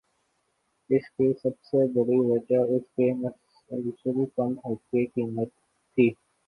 اس کی سب سے بڑی وجہ اس کی مسلسل کم ہوتی قیمت تھی